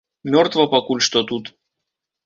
Мёртва пакуль што тут.